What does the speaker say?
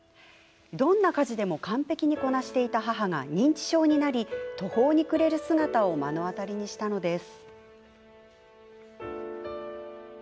どんな家事でも完璧にこなしていた母が認知症になり、途方に暮れる姿を目の当たりにしたのです。